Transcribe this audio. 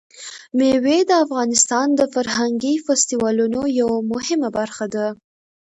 مېوې د افغانستان د فرهنګي فستیوالونو یوه مهمه برخه ده.